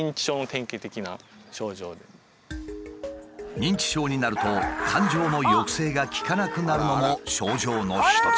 認知症になると感情の抑制が利かなくなるのも症状の一つ。